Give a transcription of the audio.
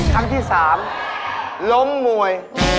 ครั้งที่๓ล้มมวย